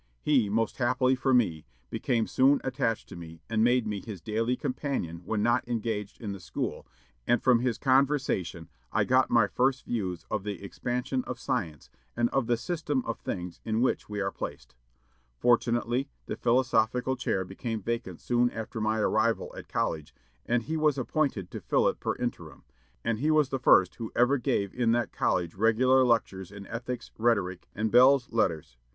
He, most happily for me, became soon attached to me, and made me his daily companion when not engaged in the school; and from his conversation I got my first views of the expansion of science and of the system of things in which we are placed. Fortunately, the philosophical chair became vacant soon after my arrival at college, and he was appointed to fill it per interim; and he was the first who ever gave in that college regular lectures in ethics, rhetoric, and belles lettres.